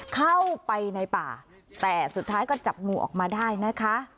เข้าไปในป่าแต่สุดท้ายก็จับงูออกมาได้นะคะ